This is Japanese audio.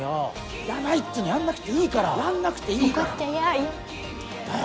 いらないっつのやんなくていいからやんなくていいから怒っちゃやよ